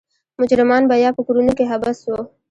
مجرمان به یا په کورونو کې حبس وو.